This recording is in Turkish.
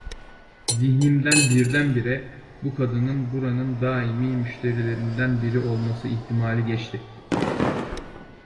Zihnimden birdenbire, bu kadının buranın daimi müşterilerinden biri olması ihtimali geçti.